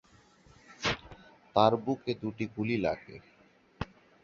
তার বুকে দুটি গুলি লাগে।